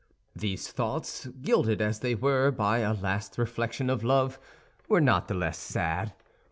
These thoughts, gilded as they were by a last reflection of love, were not the less sad.